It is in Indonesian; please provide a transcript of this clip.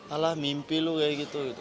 alah mimpi lu kayak gitu